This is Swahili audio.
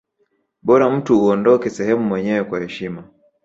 bora mtu uondoke sehemu mwenyewe kwa heshima